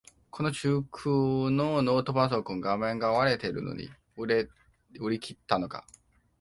この中古のノートパソコン、画面割れてるのに売り切れたのか